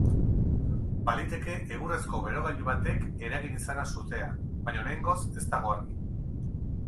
Baliteke egurrezko berogailu batek eragin izana sutea, baina oraingoz ez dago argi.